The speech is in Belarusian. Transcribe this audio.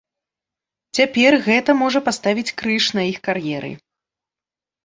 Цяпер гэта можа паставіць крыж на іх кар'еры.